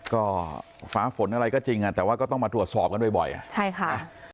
ก็ฟ้าฝนอะไรก็จริงอ่ะแต่ว่าก็ต้องมาตรวจสอบกันบ่อยอ่ะใช่ค่ะ